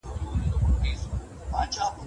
نظام د دولت په کنټرول کي دی.